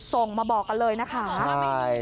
ส่งมาบอกกันเลยนะคะ